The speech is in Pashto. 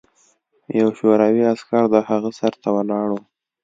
یو شوروي عسکر د هغه سر ته ولاړ و